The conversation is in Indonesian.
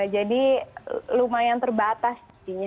jadi lumayan terbatas